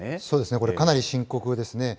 そうですね、これ、かなり深刻ですね。